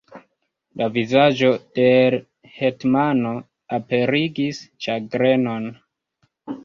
La vizaĝo de l' hetmano aperigis ĉagrenon.